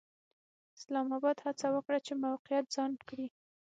اسلام اباد هڅه وکړه چې موقعیت ځان کړي.